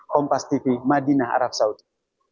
kompas tv madinah arab saudi